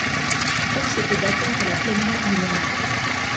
Force était d’attendre la pleine mer du lendemain.